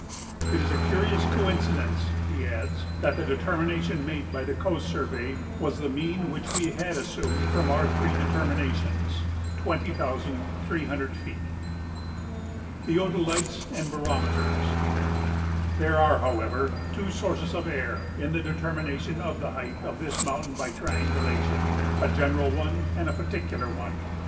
"It is a curious coincidence," he adds, "that the determination made by the Coast Survey was the mean which we had assumed from our three determinations" (twenty thousand three hundred feet). [Sidenote: Theodolites and Barometers] There are, however, two sources of error in the determination of the height of this mountain by triangulation a general one and a particular one.